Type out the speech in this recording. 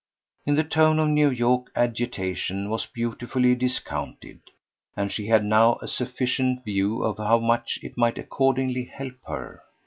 In the tone of New York agitation was beautifully discounted, and she had now a sufficient view of how much it might accordingly help her.